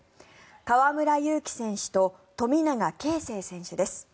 河村勇輝選手と富永啓生選手です。